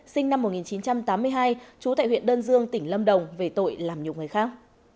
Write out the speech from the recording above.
sinh năm một nghìn chín trăm tám mươi hai trú tại huyện đơn dương tỉnh lâm đồng về tội làm nhiều người khác